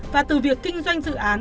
và từ việc kinh doanh dự án